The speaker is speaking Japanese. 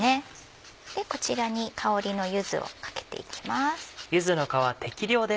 こちらに香りの柚子をかけていきます。